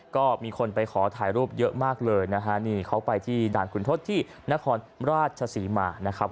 ก็มีคนไปขอถ่ายรูปเยอะมากเลยนะฮะนี่เขาไปที่ด่านขุนทศที่นครราชศรีมานะครับ